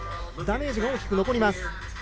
ダメージが大きく残ります。